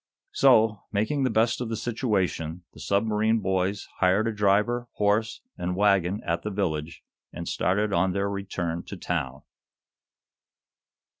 So, making the best of the situation, the submarine boys hired a driver, horse and wagon at the village, and started on their return to town.